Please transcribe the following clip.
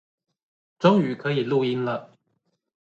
終於可以錄音了